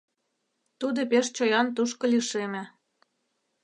Тудо пеш чоян тушко лишеме.